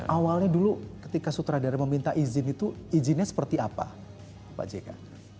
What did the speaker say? awalnya dulu ketika sutradara meminta izin itu izinnya seperti apa pak jk